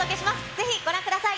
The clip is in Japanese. ぜひご覧ください。